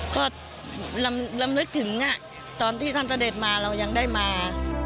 ก็ลำลึกถึงตอนที่ท่านเสด็จมาเรายังได้มา